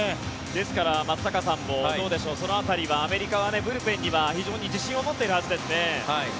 ですから、松坂さんその辺りはアメリカはブルペンには非常に自信を持っているはずですね。